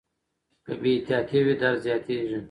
که بې احتیاطي وي درد زیاتېږي.